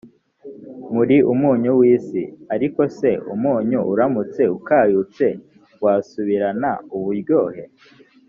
muri umunyu i w isi ariko se umunyu uramutse ukayutse wasubirana uburyohe